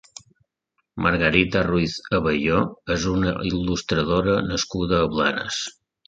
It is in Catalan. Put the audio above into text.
Margarita Ruíz Abelló és una il·lustradora nascuda a Blanes.